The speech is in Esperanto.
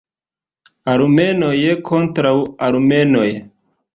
Armenoj kontraŭ Armenoj.